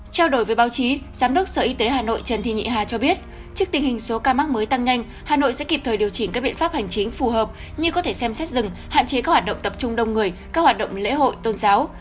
trao đổi với báo chí giám đốc sở y tế hà nội trần thị nhị hà cho biết trước tình hình số ca mắc mới tăng nhanh hà nội sẽ kịp thời điều chỉnh các biện pháp hành chính phù hợp như có thể xem xét dừng hạn chế các hoạt động tập trung đông người các hoạt động lễ hội tôn giáo